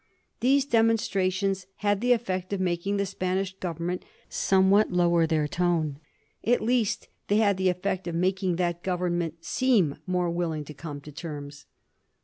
These demonstrations had the effect of making the Spanish Government somewhat low er their tone — at least they had the effect of making that Government seem more willing to come to terms.